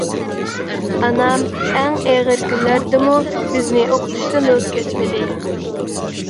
ئانام ئەڭ ئېغىر كۈنلەردىمۇ بىزنى ئوقۇتۇشتىن ۋاز كەچمىدى.